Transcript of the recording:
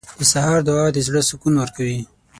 • د سهار دعا د زړه سکون ورکوي.